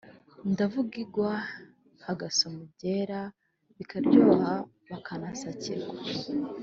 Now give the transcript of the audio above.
ndavugako igwa hagasoma byera bikaryoha bakanasakirwa